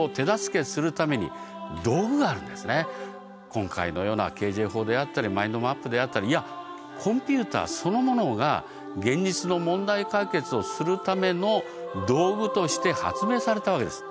今回のようなＫＪ法であったりマインドマップであったりいやコンピューターそのものが現実の問題解決をするための道具として発明されたわけです。